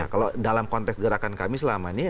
kalau dalam konteks gerakan kami selama ini